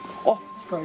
あっ！